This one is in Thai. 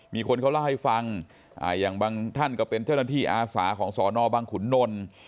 มีคนเขาเล่าให้ฟังอย่างบางท่านก็เป็นเจ้าหน้าที่อาสาของสอนอบังขุนนล